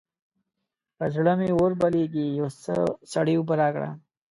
پر زړه مې اور بلېږي؛ يو څه سړې اوبه راکړه.